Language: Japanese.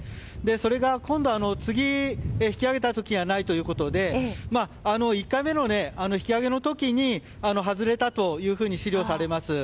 それが今度、次引き揚げた時にないということで１回目の引き揚げの時に外れたというふうに思慮されます。